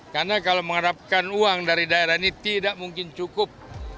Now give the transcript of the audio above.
karena kalau mengharapkan uang dari daerah ini tidak mungkin cukup